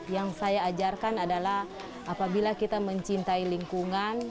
yang saya ajarkan adalah apabila kita mencintai lingkungan